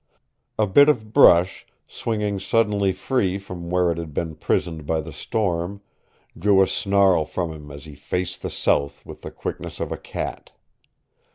A bit of brush, swinging suddenly free from where it had been prisoned by the storm, drew a snarl from him as he faced the sound with the quickness of a cat.